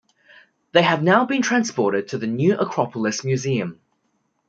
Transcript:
They have now been transported to the New Acropolis Museum.